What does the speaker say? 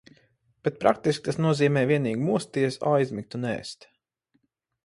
Bet praktiski tas nozīmē vienīgi mosties, aizmigt un ēst.